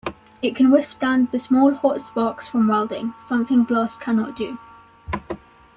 It can withstand the small hot sparks from welding, something glass cannot do.